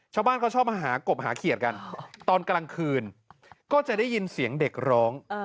ชาวบ้านเขาชอบมาหากบหาเขียดกันตอนกลางคืนก็จะได้ยินเสียงเด็กร้อง